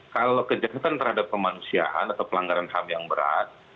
kalau kejahatan terhadap kemanusiaan atau pelanggaran ham yang berat